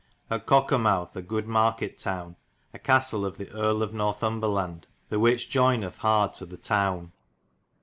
At Cokermuth, a good market towne, a castel of the Erl of Northumbreland, the wich joyneth hard to the towne.